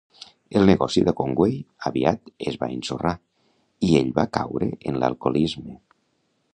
El negoci de Conway aviat es va ensorrar i ell va caure en l'alcoholisme.